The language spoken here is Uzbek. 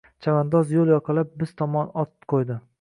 Chavandoz koʼl yoqalab biz tomon ot qoʼydi…